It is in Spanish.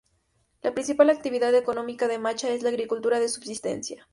La principal actividad económica de Macha es la agricultura de subsistencia.